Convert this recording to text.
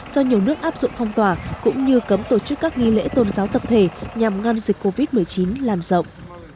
do nhiều nước áp dụng phong tỏa cũng như cấm tổ chức các nghi lễ tôn giáo tập thể nhằm ngăn dịch covid một mươi chín làn rộng